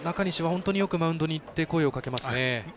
本当によくマウンドにいって声かけますね。